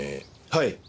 はい。